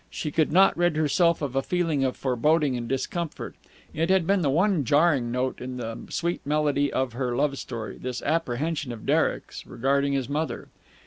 She could not rid herself of a feeling of foreboding and discomfort. It had been the one jarring note in the sweet melody of her love story, this apprehension of Derek's regarding his mother.